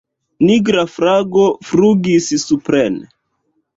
Nigra flago flugis supren.